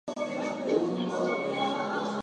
Both charges led to the enhancement of his reputation.